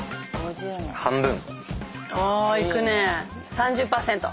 ３０％。